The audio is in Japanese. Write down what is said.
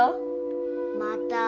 また！